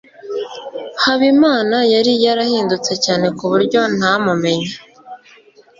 habimana yari yarahindutse cyane kuburyo ntamumenye